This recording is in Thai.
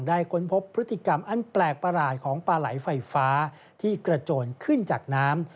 ค้นพบพฤติกรรมอันแปลกประหลาดของปลาไหลไฟฟ้าที่กระโจนขึ้นจากน้ำ